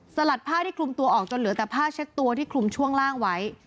ลัดผ้าที่คลุมตัวออกจนเหลือแต่ผ้าเช็ดตัวที่คลุมช่วงล่างไว้